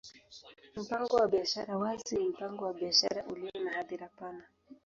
Mpango wa biashara wazi ni mpango wa biashara ulio na hadhira pana.